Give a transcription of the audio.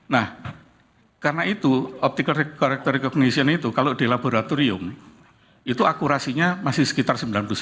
nah karena itu optical correctory cognition itu kalau di laboratorium itu akurasinya masih sekitar sembilan puluh sembilan